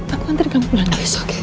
aku antar kamu lanjut